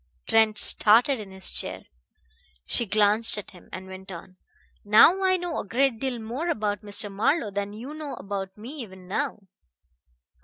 Trent started in his chair. She glanced at him, and went on: "Now I know a great deal more about Mr. Marlowe than you know about me even now.